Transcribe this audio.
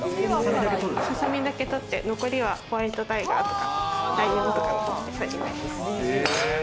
ささみだけ取って残りはホワイトタイガーとかライオンとかのえさになります。